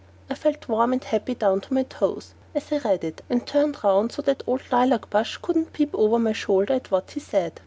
I felt warm and happy down to my toes as I read it, and I turned round so that old Lilac Bush couldn't peep over my shoulder at what he said.